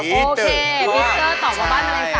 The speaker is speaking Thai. โอเคพีเตอร์ตอบว่าบ้านมะแรงสาบ